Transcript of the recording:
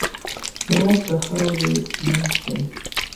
هېواد د خاورې لمس دی.